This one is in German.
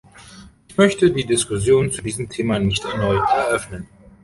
Ich möchte die Diskussion zu diesem Thema nicht erneut eröffnen.